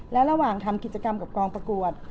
และระหว่างทำกิจกรรมกับกองประกวด